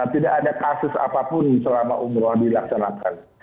tidak ada kasus apapun selama umroh dilaksanakan